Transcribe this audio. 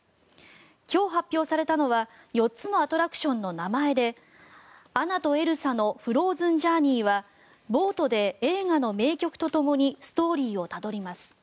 今日発表されたのは４つのアトラクションの名前でアナとエルサのフローズンジャーニーはボートで映画の名曲とともにストーリーをたどります。